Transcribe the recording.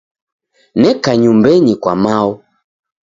Neka nyumbenyi kwa mao.